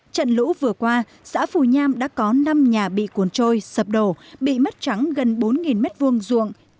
trận lũ vừa qua xã phù nham đã có năm nhà bị cuốn trôi sập đổ bị mất trắng gần bốn m hai ruộng